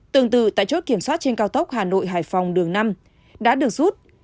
tương tự tại chốt kiểm soát trên cao tốc hà nội hải phòng đường năm đã được rút